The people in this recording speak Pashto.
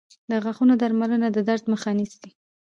• د غاښونو درملنه د درد مخه نیسي.